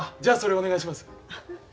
じゃあそれお願いします。